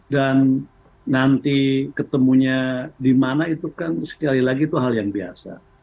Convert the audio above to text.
dan nanti ketemunya dimana itu kan sekali lagi itu hal yang biasa